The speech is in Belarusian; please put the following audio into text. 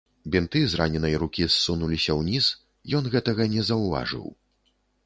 Бінты з раненай рукі ссунуліся ўніз, ён гэтага не заўважыў.